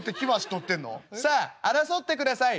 「さあ争ってください。